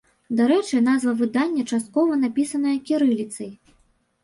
Дарэчы, назва выдання часткова напісаная кірыліцай.